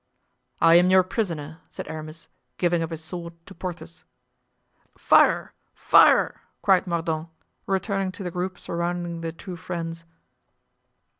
"I am your prisoner," said Aramis, giving up his sword to Porthos. "Fire, fire!" cried Mordaunt, returning to the group surrounding the two friends.